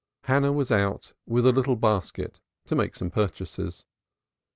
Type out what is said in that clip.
Hannah was out: with a little basket to make some purchases.